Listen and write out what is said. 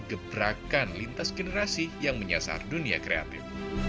gebrakan lintas generasi yang menyasar dunia kreatif